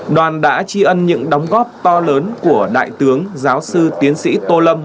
đoàn đã tri ân những đóng góp to lớn của đại tướng giáo sư tiến sĩ tô lâm